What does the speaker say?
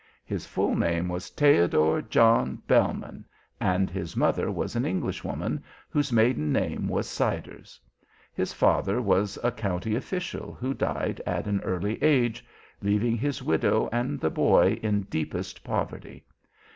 His full name was Theodor John Bellmann, and his mother was an Englishwoman whose maiden name was Siders. His father was a county official who died at an early age, leaving his widow and the boy in deepest poverty.